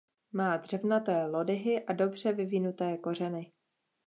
Má dřevnaté lodyhy a dobře vyvinuté kořeny.